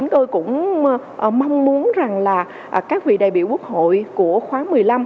tôi cũng mong muốn rằng là các vị đại biểu quốc hội của khóa một mươi năm